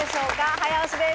早押しです。